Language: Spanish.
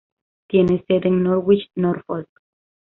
Tiene sede en Norwich, Norfolk.